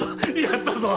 やったぞ！